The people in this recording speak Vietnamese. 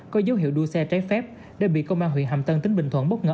có dấu hiệu đua xe trái phép đã bị công an huyện hàm tân tỉnh bình thuận bất ngờ